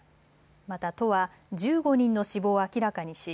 また都は１５人の死亡を明らかにし